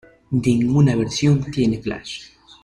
Ninguna versión tiene flash.